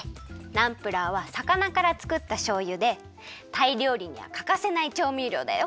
ナンプラーはさかなからつくったしょうゆでタイりょうりにはかかせないちょうみりょうだよ。